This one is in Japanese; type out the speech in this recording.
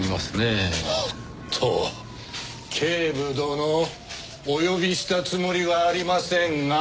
おっと警部殿お呼びしたつもりはありませんが？